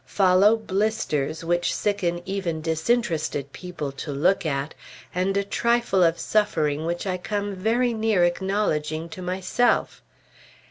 Follow blisters which sicken even disinterested people to look at, and a trifle of suffering which I come very near acknowledging to myself.